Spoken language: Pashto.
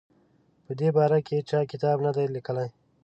په دې باره کې چا کتاب نه دی لیکلی.